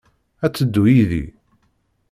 Ad teddu yid-i?